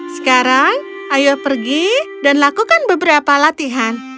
sekarang ayo pergi dan lakukan beberapa latihan